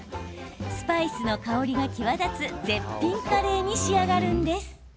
スパイスの香りが際立つ絶品カレーに仕上がるんです。